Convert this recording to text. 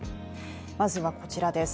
まずはこちらです